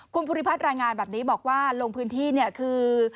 คุณภูริพัฒน์รายงานแบบนี้บอกว่าลงพื้นที่เนี่ยคือ